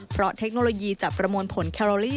เพราะเทคโนโลยีจะประมวลผลแคโรลี่